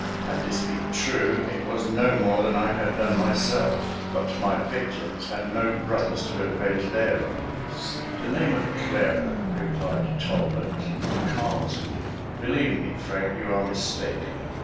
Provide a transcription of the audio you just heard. (Had this been true, it was no more than I had done myself; but my victims had no brothers to avenge their wrongs.) "The name of Clara," replied Talbot, "calms me; believe me, Frank, you are mistaken.